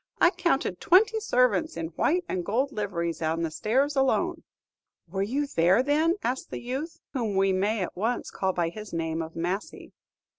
"I counted twenty servants in white and gold liveries on the stairs alone." "Were you there, then?" asked the youth, whom we may at once call by his name of Massy.